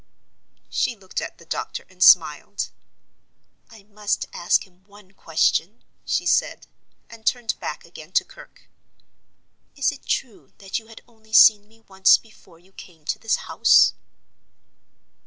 She looked at the doctor and smiled. "I must ask him one question," she said, and turned back again to Kirke. "Is it true that you had only seen me once before you came to this house?"